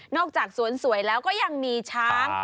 จากสวนสวยแล้วก็ยังมีช้าง